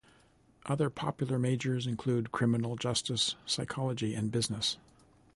Other popular majors include Criminal Justice, Psychology, and Business.